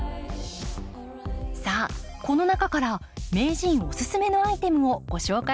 さあこの中から名人おすすめのアイテムをご紹介します。